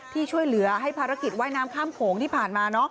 ที่ช่วยเหลือให้ภารกิจว่ายน้ำข้ามโขงที่ผ่านมา